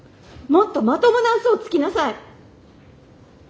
もっとまともな嘘をつきなさい！